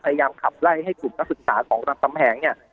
พยายามขับไล่ให้กลุ่มนักศึกษาของรามคำแหงเนี่ย